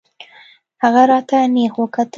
هغه راته نېغ وکتل.